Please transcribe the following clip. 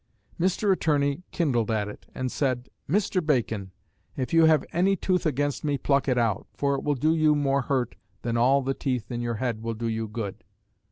"Mr. Attorney kindled at it, and said, '_Mr. Bacon, if you have any tooth against me pluck it out; for it will do you more hurt than all the teeth in your head will do you good.